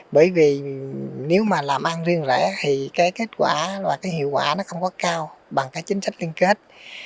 bởi vì nếu mà làm ăn riêng rẻ thì cái kết quả và cái hiệu quả nó không có cao bằng cái chính sách liên kết